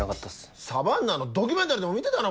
サバンナのドキュメンタリーでも見てたのか！